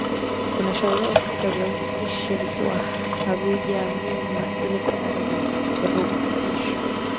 Unashauriwa kupika viazi lishe vikiwa havija menywa ili kutunza virutubisho